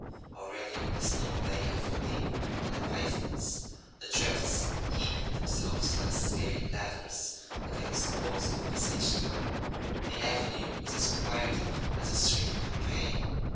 Already the snow lay a foot deep on the pavements, the drifts heaping themselves like scaling ladders against the walls of the besieged town. The Avenue was as quiet as a street in Pompeii.